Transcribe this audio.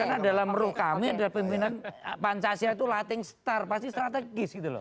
karena dalam roh kami adalah pemimpinan pancasila itu latin star pasti strategis gitu loh